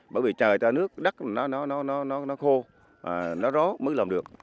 bởi vì trời ta nước đất nó khô nó ró mới làm được